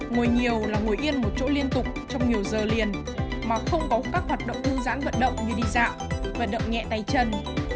ngồi nhiều là ngồi yên một chỗ liên tục trong nhiều giờ liền mà không có các hoạt động thư giãn vận động như đi dạo vận động nhẹ tay chân